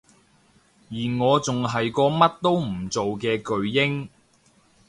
而我仲係個乜都唔做嘅巨嬰